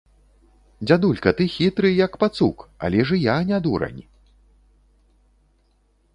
Дзядулька, ты хітры, як пацук, але ж і я не дурань.